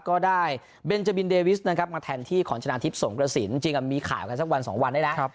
ก็ได้เบนจาบินเดวิสนะครับมาแทนที่ของชนะทิพย์สงกระสินจริงมีข่าวกันสักวันสองวันได้นะ